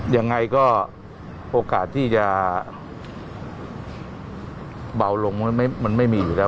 ยังไงก็โอกาสที่จะเบาลงมันไม่มีอยู่แล้ว